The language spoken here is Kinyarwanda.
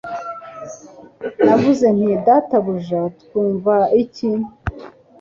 Navuze nti Databuja twumva iki